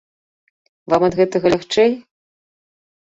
Вам ад гэтага лягчэй?